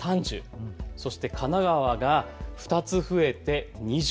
そして神奈川が２つ増えて２０。